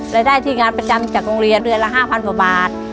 รายได้ที่งานประจำจากโรงเรียนเดือนละ๕๐๐กว่าบาท